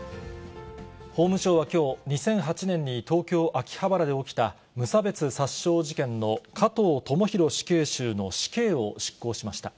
法務省はきょう、２００８年に東京・秋葉原で起きた無差別殺傷事件の加藤智大死刑囚の死刑を執行しました。